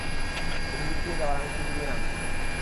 তুমি লিফট দিয়ে যাও আর আমি সিঁড়ি দিয়ে নামছি।